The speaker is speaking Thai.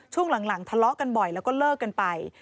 ช่วงหลังทะเลาะกันบ่อยแล้วก็เลิกกันไป